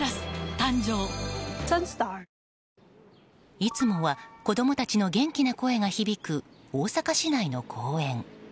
いつもは子供たちの元気な声が響く、大阪市内の公園。